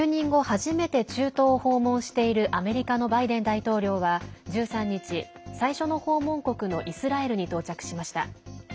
初めて中東を訪問しているアメリカのバイデン大統領は１３日、最初の訪問国のイスラエルに到着しました。